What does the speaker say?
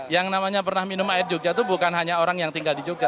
yang namanya pernah minum air jogja itu bukan hanya orang yang tinggal di jogja